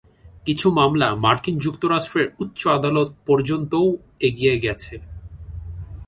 কিছু মামলা মার্কিন যুক্তরাষ্ট্রের উচ্চ আদালত পর্যন্তও এগিয়ে গেছে।